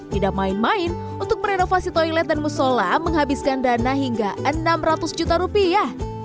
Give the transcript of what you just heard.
tidak main main untuk merenovasi toilet dan musola menghabiskan dana hingga enam ratus juta rupiah